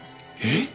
えっ？